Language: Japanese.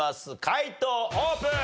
解答オープン！